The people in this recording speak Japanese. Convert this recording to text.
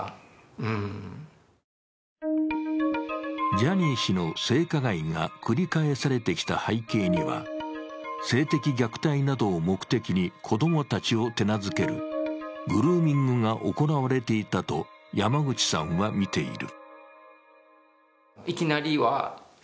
ジャニー氏の性加害が繰り返されてきた背景には性的虐待などを目的に子供たちを手なずける、グルーミングが行われていたと山口さんは見ている。